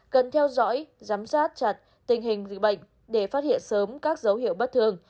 cần theo dõi giám sát chặt tình hình dịch bệnh để phát hiện sớm các dấu hiệu bất thường